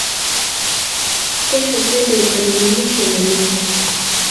Kesho twende uka nilimishe na mie